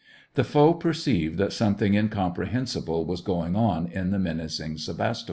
The foe perceived that something incomprehen sible was going on in that menacing Sevastopol.